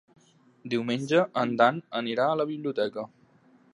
Diumenge en Dan anirà a la biblioteca.